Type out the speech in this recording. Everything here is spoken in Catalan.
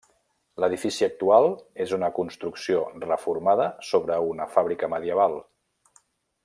L'edifici actual és una construcció reformada sobre una fàbrica medieval.